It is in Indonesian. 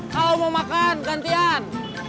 kalau mau makan gantian